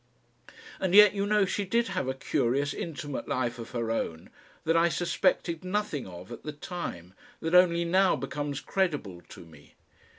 And yet, you know, she did have a curious intimate life of her own that I suspected nothing of at the time, that only now becomes credible to me.